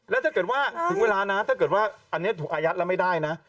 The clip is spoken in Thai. แล้วถ้าเกิดว่าถึงเวลานะถ้าเกิดว่าอันนี้ถูกอายัดแล้วไม่ได้นะ